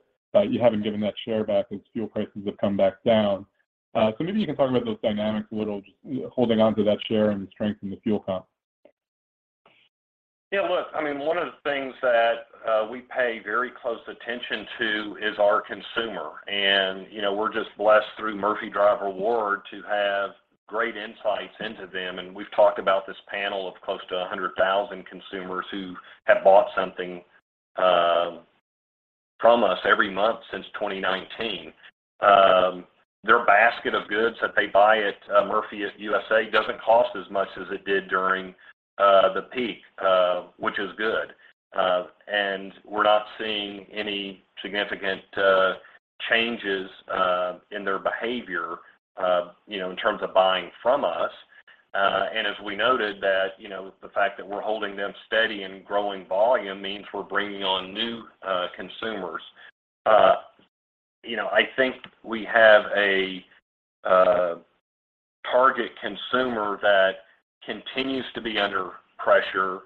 you haven't given that share back as fuel prices have come back down. Maybe you can talk about those dynamics a little, just holding onto that share and the strength in the fuel comp. Yeah. Look, I mean, one of the things that we pay very close attention to is our consumer. You know, we're just blessed through Murphy Drive Rewards to have great insights into them, and we've talked about this panel of close to 100,000 consumers who have bought something from us every month since 2019. Their basket of goods that they buy at Murphy USA doesn't cost as much as it did during the peak, which is good. We're not seeing any significant changes in their behavior, you know, in terms of buying from us. As we noted that, you know, the fact that we're holding them steady and growing volume means we're bringing on new consumers, you know, I think we have a target consumer that continues to be under pressure.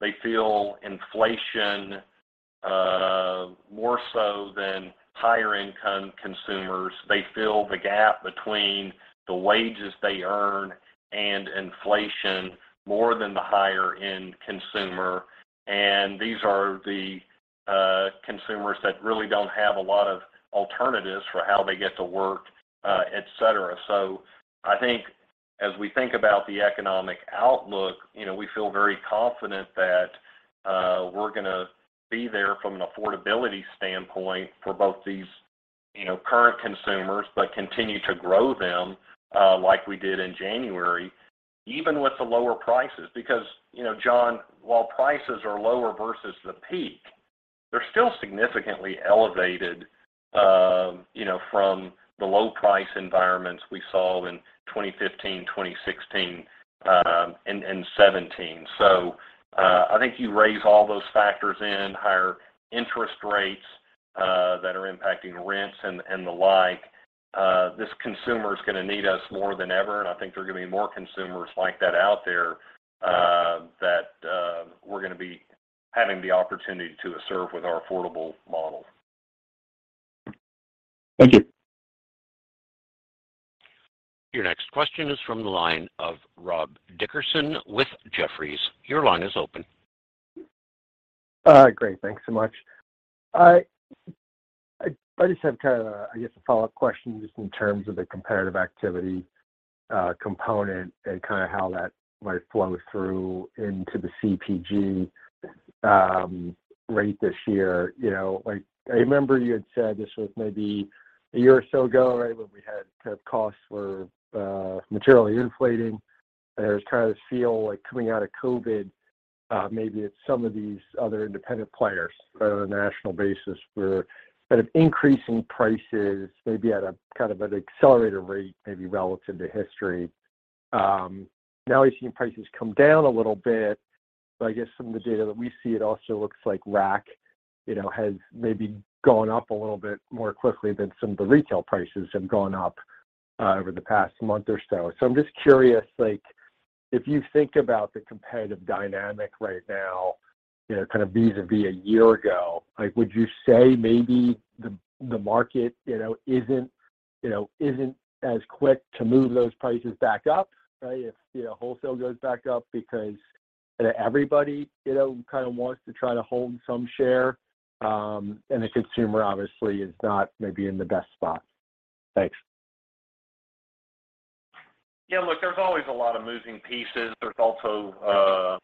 They feel inflation more so than higher income consumers. They feel the gap between the wages they earn, and inflation more than the higher-end consumer. These are the consumers that really don't have a lot of alternatives for how they get to work, etc. I think as we think about the economic outlook, you know, we feel very confident that we're going to be there from an affordability standpoint for both these, you know, current consumers, but continue to grow them like we did in January, even with the lower prices. Because, you know, John, while prices are lower versus the peak, they're still significantly elevated, you know, from the low price environments we saw in 2015, 2016, and 2017. I think you raise all those factors in, higher interest rates, that are impacting rents and the like. This consumer is going to need us more than ever, and I think there are going to be more consumers like that out there, that we're going to be having the opportunity to serve with our affordable model. Thank you. Your next question is from the line of Rob Dickerson with Jefferies. Your line is open. Great. Thanks so much. I just have kind of, I guess a follow-up question just in terms of the comparative activity component, and kind of how that might flow through into the CPG rate this year. You know, like I remember you had said this was maybe a year or so ago, right, when we had, costs were materially inflating. There's kind of feel like coming out of COVID, maybe it's some of these other independent players on a national basis, were sort of increasing prices maybe at a kind of an accelerated rate maybe relative to history. Now we're seeing prices come down a little bit, but I guess some of the data that we see, it also looks like rack, you know, has maybe gone up a little bit more quickly than some of the retail prices have gone up over the past month or so. I'm just curious, like, if you think about the competitive dynamic right now, you know, kind of vis-à-vis a year ago, like would you say maybe the market isn't as quick to move those prices back up, right, if, you know, wholesale goes back up, because everybody, you know, kind of wants to try to hold some share, and the consumer obviously is not maybe in the best spot? Thanks. Yeah. Look, there's always a lot of moving pieces. There's also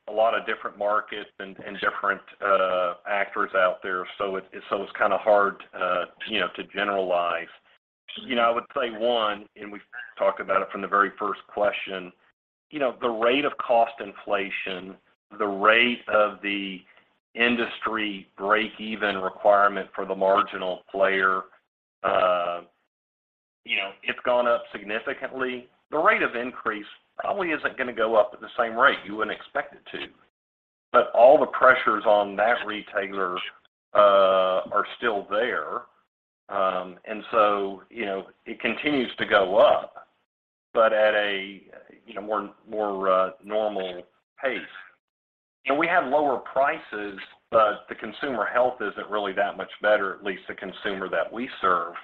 a lot of different markets, and different actors out there. It's kind of hard, you know, to generalize. You know, I would say one, and we've talked about it from the very first question, you know, the rate of cost inflation, the rate of the industry break-even requirement for the marginal player, you know, it's gone up significantly. The rate of increase probably isn't going to go up at the same rate. You wouldn't expect it to. All the pressures on that retailer, you know, it continues to go up, but at a, you know, more normal pace. We have lower prices, but the consumer health isn't really that much better, at least the consumer that we serve.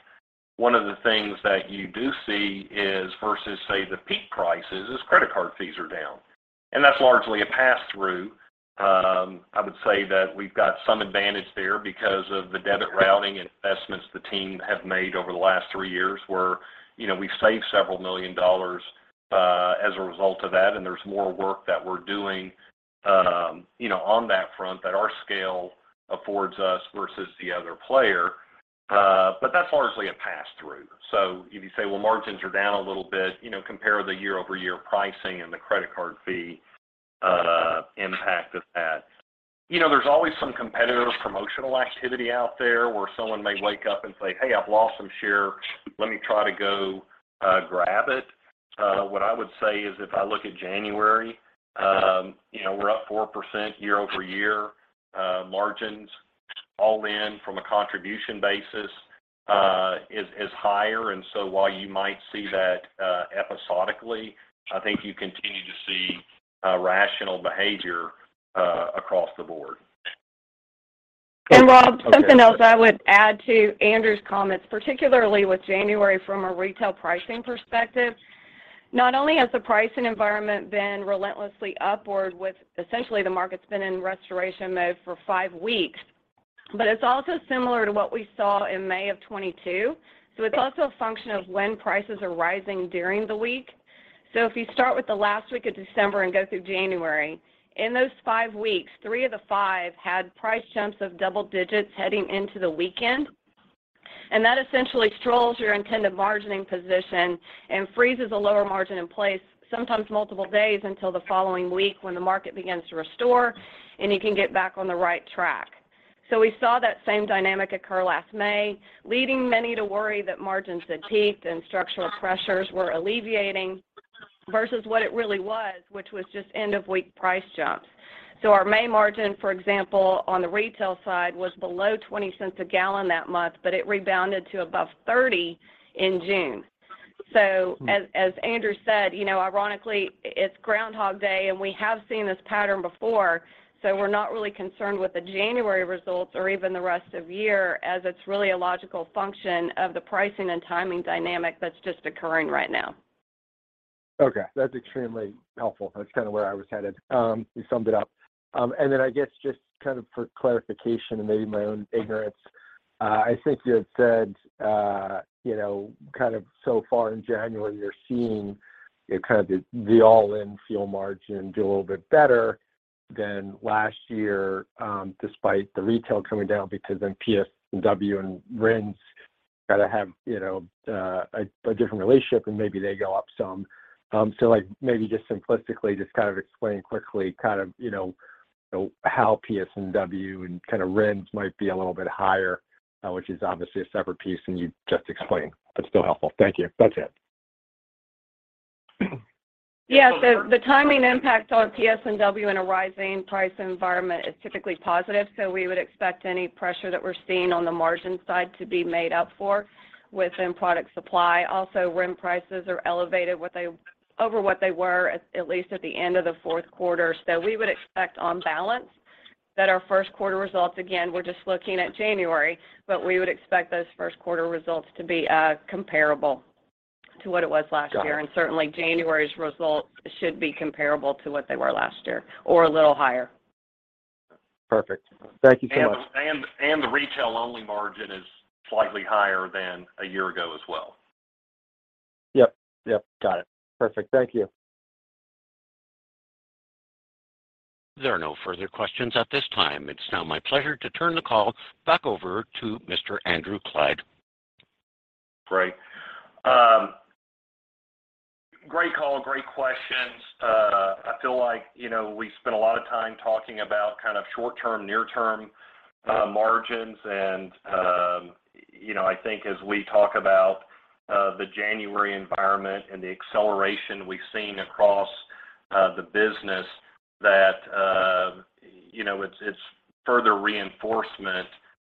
One of the things that you do see is, versus say the peak prices is credit card fees are down. That's largely a pass-through. I would say that we've got some advantage there, because of the debit routing investments the team have made over the last three years, where, you know, we've saved several million dollars as a result of that, and there's more work that we're doing, you know, on that front that our scale affords us versus the other player. That's largely a pass-through. If you say, well, margins are down a little bit, you know, compare the year-over-year pricing and the credit card fee impact of that. You know, there's always some competitive promotional activity out there where someone may wake up, and say, "Hey, I've lost some share. Let me try to go, grab it." What I would say is, if I look at January, you know, we're up 4% year-over-year. Margins all in from a contribution basis is higher, and so while you might see that episodically, I think you continue to see rational behavior across the board. Rob, something else I would add to Andrew's comments, particularly with January from a retail pricing perspective, not only has the pricing environment been relentlessly upward with essentially the market's been in restoration mode for five weeks, but it's also similar to what we saw in May of 2022. It's also a function of when prices are rising during the week. If you start with the last week of December and go through January, in those five weeks, three of the five had price jumps of double digits heading into the weekend. That essentially trolls your intended margining position and freezes a lower margin in place, sometimes multiple days until the following week when the market begins to restore and you can get back on the right track. We saw that same dynamic occur last May, leading many to worry that margins had peaked and structural pressures were alleviating versus what it really was, which was just end of week price jumps. Our May margin, for example, on the retail side was below $0.20 a gallon that month, but it rebounded to above $0.30 in June. As Andrew said, you know, ironically, it's Groundhog Day, and we have seen this pattern before, so we're not really concerned with the January results or even the rest of year, as it's really a logical function of the pricing and timing dynamic that's just occurring right now. Okay, that's extremely helpful. That's kind of where I was headed. You summed it up. I guess just kind of for clarification and maybe my own ignorance, I think you had said, you know, kind of so far in January, you're seeing kind of the all-in fuel margin do a little bit better than last year, despite the retail coming down because then PSW and RINs got to have, you know, a different relationship, and maybe they go up some. Like, maybe just simplistically just kind of explain quickly kind of, you know, how PSW and kind of RINs might be a little bit higher, which is obviously a separate piece than you just explained. That's still helpful. Thank you. That's it. Yeah. The timing impact on PSW in a rising price environment is typically positive, so we would expect any pressure that we're seeing on the margin side to be made up for within product supply. Also, RINs prices are elevated over what they were at least at the end of the fourth quarter. We would expect on balance that our first quarter results again, we're just looking at January, but we would expect those first quarter results to be comparable to what it was last year. Got it. Certainly January's results should be comparable to what they were last year or a little higher. Perfect. Thank you so much. The retail-only margin is slightly higher than a year ago as well. Yep, got it. Perfect. Thank you. There are no further questions at this time. It's now my pleasure to turn the call back over to Mr. Andrew Clyde. Great. Great call. Great questions. I feel like, you know, we spent a lot of time talking about kind of short-term, near-term margins and you know, I think as we talk about, the January environment and the acceleration we've seen across the business, that, you know, it's further reinforcement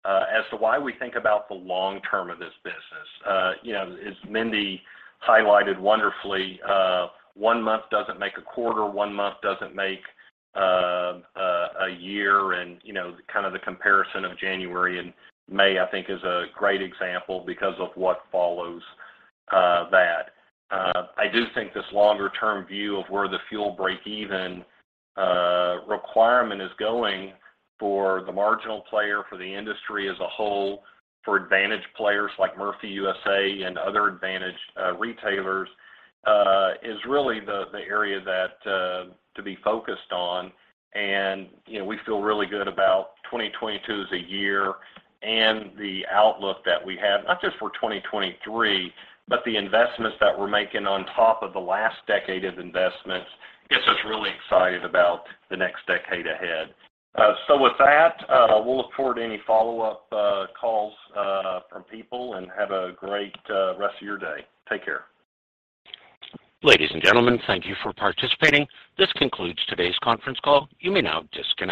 as to why we think about the long term of this business. You know, as Mindy highlighted wonderfully, one month doesn't make a quarter, one month doesn't make a year. You know, kind of the comparison of January and May, I think is a great example because of what follows that. I do think this longer-term view of where the fuel break even requirement is going for the marginal player, for the industry as a whole, for advantage players like Murphy USA and other advantage retailers, is really the area to be focused on. You know, we feel really good about 2022 as a year and the outlook that we have, not just for 2023, but the investments that we're making on top of the last decade of investments gets us really excited about the next decade ahead. With that, we'll look forward to any follow-up calls from people, and have a great rest of your day. Take care. Ladies and gentlemen, thank you for participating. This concludes today's conference call. You may now disconnect.